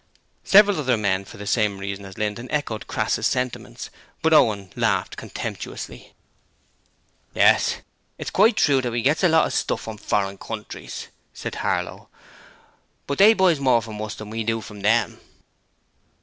Several other men, for the same reason as Linden, echoed Crass's sentiments, but Owen laughed contemptuously. 'Yes, it's quite true that we gets a lot of stuff from foreign countries,' said Harlow, 'but they buys more from us than we do from them.'